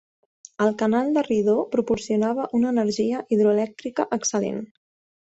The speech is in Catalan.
El canal de Rideau proporcionava una energia hidroelèctrica excel·lent.